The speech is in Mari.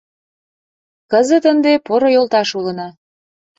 Кызыт ынде поро йолташ улына.